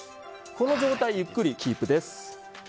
この状態をゆっくりキープです。